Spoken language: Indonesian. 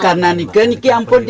karena saya tidak tahu apa yang terjadi